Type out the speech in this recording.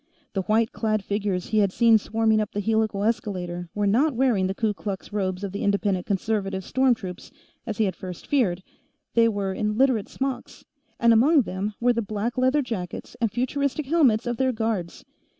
The white clad figures he had seen swarming up the helical escalator were not wearing the Ku Klux robes of the Independent Conservative storm troops, as he had first feared they were in Literate smocks, and among them were the black leather jackets and futuristic helmets of their guards.